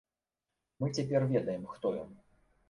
Мы цяпер ведаем, хто ён.